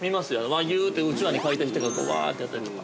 和牛ってうちわに書いた人がわってやったりとか。